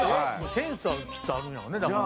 センスはきっとあるんやろうねだから。